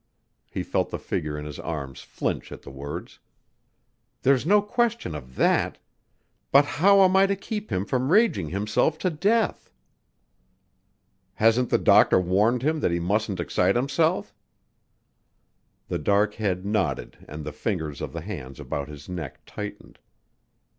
He felt the figure in his arms flinch at the words, "There's no question of that, but how am I to keep him from raging himself to death?" "Hasn't the doctor warned him that he mustn't excite himself?" The dark head nodded and the fingers of the hands about his neck tightened.